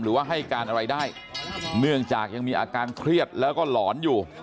หรือว่าให้การอะไรได้เนื่องจากยังมีอาการเครียดแล้วก็หลอนอยู่